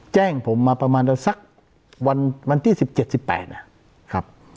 แจ้งผมมาประมาณสักวันที่๑๗๑๘นะครับ